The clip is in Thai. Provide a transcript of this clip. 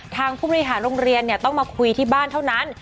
ผู้บริหารโรงเรียนต้องมาคุยที่บ้านเท่านั้น